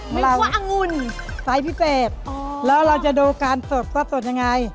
เรียกว่าอังุ่นไซส์พิเศษแล้วเราจะดูการสดว่าสดยังไง